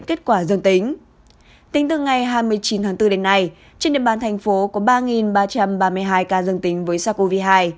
kết quả dương tính từ ngày hai mươi chín tháng bốn đến nay trên địa bàn thành phố có ba ba trăm ba mươi hai ca dương tính với sars cov hai